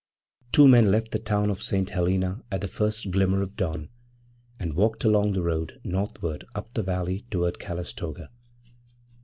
< 9 > Two men left the town of St. Helena at the first glimmer of dawn, and walked along the road north ward up the valley toward Calistoga.